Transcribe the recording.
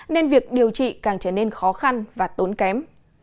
nên việc điều trị càng trở nên khó khăn và tốn kém